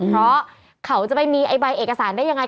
เพราะเขาจะไปมีใบเอกสารได้ยังไง